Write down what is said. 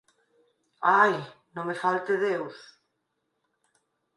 Ai, non me falte deus!